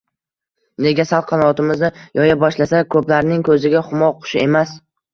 Nega sal qanotimizni yoya boshlasak ko‘plarning ko‘ziga xumo qushi emas